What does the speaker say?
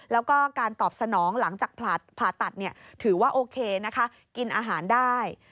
แล้วก็การตอบสนองหลังจากผ่าตัดถือว่าโอเคนะคะกินอาหารได้